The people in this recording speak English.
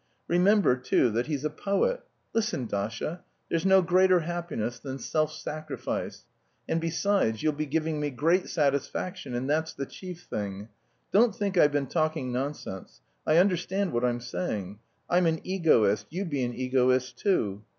Remember, too, that he's a poet. Listen, Dasha, there's no greater happiness than self sacrifice. And besides, you'll be giving me great satisfaction and that's the chief thing. Don't think I've been talking nonsense. I understand what I'm saying. I'm an egoist, you be an egoist, too.